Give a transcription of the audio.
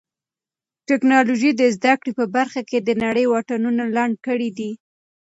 ټیکنالوژي د زده کړې په برخه کې د نړۍ واټنونه لنډ کړي دي.